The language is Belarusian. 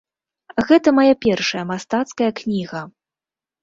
Гэта мая першая мастацкая кніга.